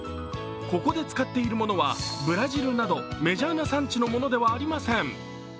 ここで使っているものはブラジルなどメジャーな産地のものではありません。